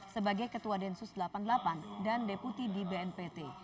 sebagai ketua densus delapan puluh delapan dan deputi di bnpt